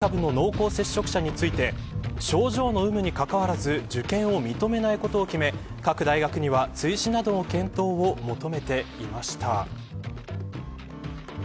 文科省は、２４日オミクロン株の濃厚接触者について症状の有無にかかわらず受験を認めないことを決め各大学には追試などの検討を求めていました。